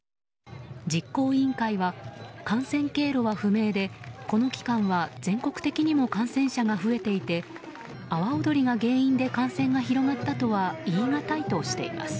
実行委員会は、感染経路は不明でこの期間は全国的にも感染者が増えていて阿波おどりが原因で感染が広がったとは言いがたいとしています。